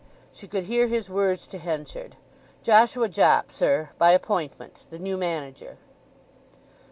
She could hear his words to Henchard: "Joshua Jopp, sir—by appointment—the new manager."